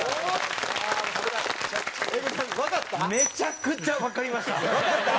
めちゃくちゃわかりました。